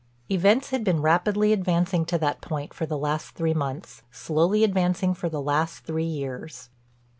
Events had been rapidly advancing to that point for the last three months, slowly advancing for the last three years.